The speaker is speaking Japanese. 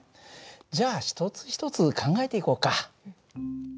じゃあ一つ一つ考えていこうか。